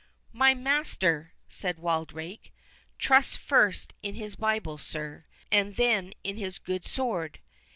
"My master," said Wildrake, "trusts, first, in his Bible, sir, and then in his good sword.